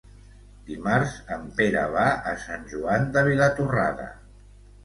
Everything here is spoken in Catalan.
Dimarts en Pere va a Sant Joan de Vilatorrada.